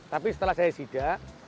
tapi setelah saya sidak